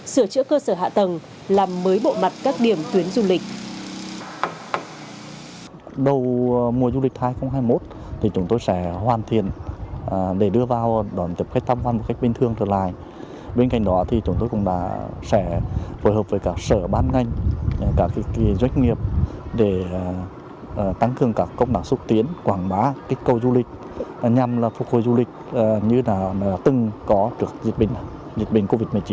sửa chữa cơ sở hạ tầng làm mới bộ mặt các điểm tuyến du lịch